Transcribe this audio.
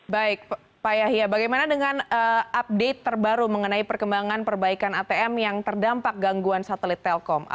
baik pak yahya bagaimana dengan update terbaru mengenai perkembangan perbaikan atm yang terdampak gangguan satelit telkom